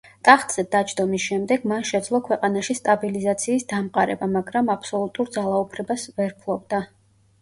ტახტზე დაჯდომის შემდეგ მან შეძლო ქვეყანაში სტაბილიზაციის დამყარება, მაგრამ აბსოლუტურ ძალაუფლებას ვერ ფლობდა.